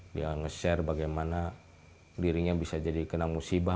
dia nge share bagaimana dirinya bisa jadi kena musibah